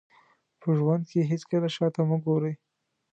په ژوند کې هېڅکله هم شاته مه ګورئ.